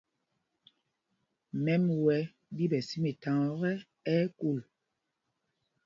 Mɛm wɛ̄ ɗí ɓɛ̌ sī mitháŋá ɔ́kɛ, ɛ́ ɛ́ kūl.